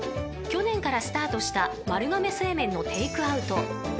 ［去年からスタートした丸亀製麺のテークアウト］